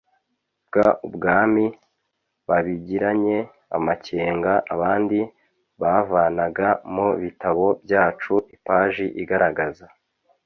bw Ubwami babigiranye amakenga Abandi bavanaga mu bitabo byacu ipaji igaragaza